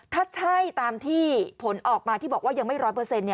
ถ้าใช่ตามที่ผลออกมาที่บอกว่ายังไม่ร้อยเปอร์เซ็นต์